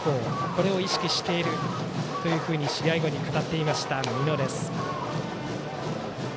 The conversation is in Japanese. これを意識していると試合後に語っていました美濃です。